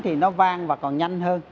thì nó vang và còn nhanh hơn